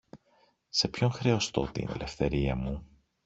Σε ποιον χρεωστώ την ελευθερία μου;